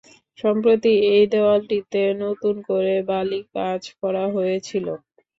সম্প্রতি এই দেয়ালটিতে নতুন করে বালি-কাজ করা হয়েছিল।